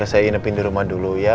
biar saya inapin di rumah dulu ya